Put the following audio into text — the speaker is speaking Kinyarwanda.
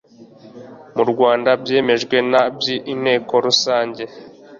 mu rwanda byemejwe na by inteko rusange